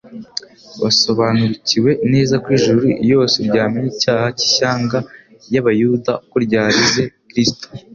Basobariukiwe neza ko ijuru iyose ryamenye icyaha cy'ishyanga iy'Abayuda: ko ryarize Kristo.